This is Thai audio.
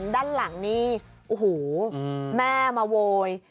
ด้านหลังนี่โอ้โหแม่มาโวย